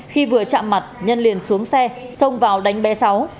khi vừa chạm mặt nhân liền xuống xe xông vào đánh be sáu